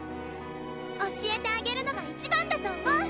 教えてあげるのが一番だと思う！